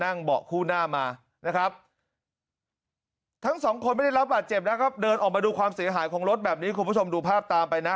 เบาะคู่หน้ามานะครับทั้งสองคนไม่ได้รับบาดเจ็บนะครับเดินออกมาดูความเสียหายของรถแบบนี้คุณผู้ชมดูภาพตามไปนะ